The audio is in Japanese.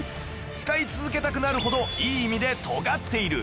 使い続けたくなるほどいい意味で尖っている